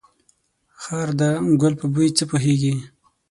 خر ده ګل په بوی څه پوهيږي.